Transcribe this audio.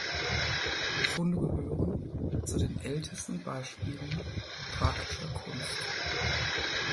Die Funde gehören zu den ältesten Beispielen thrakischer Kunst.